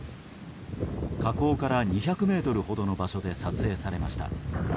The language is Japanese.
河口から２００ｍほどの場所で撮影されました。